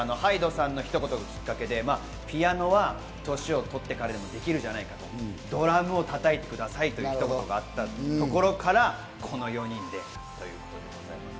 ＨＹＤＥさんのひと言がきっかけで、ピアノは年をとってからでもできるじゃないかと、ドラムを叩いてくださいというひと言があったところからこの４人でということです。